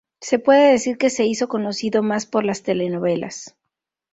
Se puede decir que se hizo conocido más por las telenovelas.